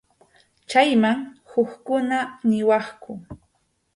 Chayman hukkuna niwaqku.